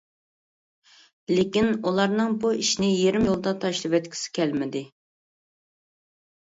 لېكىن ئۇلارنىڭ بۇ ئىشنى يېرىم يولدا تاشلىۋەتكۈسى كەلمىدى.